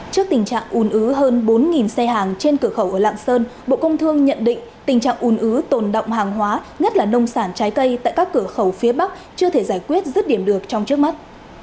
trước tình trạng ùn ứ hơn bốn xe hàng trên cửa khẩu ở lạng sơn bộ công thương nhận định tình trạng ùn ứ tồn động hàng hóa nhất là nông sản trái cây tại các cửa khẩu phía bắc chưa thể giải quyết rứt điểm được trong trước mắt